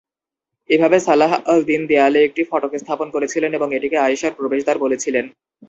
এভাবে সালাহ আল-দ্বীন দেয়ালে একটি ফটক স্থাপন করেছিলেন এবং এটিকে আয়েশার প্রবেশদ্বার বলেছিলেন।